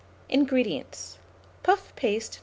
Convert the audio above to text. INGREDIENTS. Puff paste No.